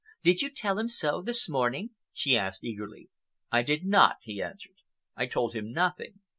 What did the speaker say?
"Did you tell him so this morning?" she asked eagerly. "I did not," he answered. "I told him nothing.